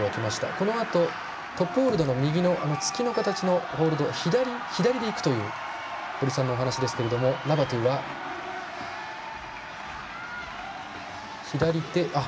このあと、トップホールドの右の月の形のホールド、左でいくという堀さんのお話ですけどラバトゥは左手。